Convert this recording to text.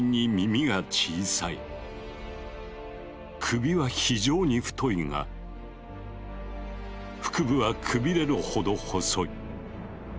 首は非常に太いが腹部はくびれるほど細い。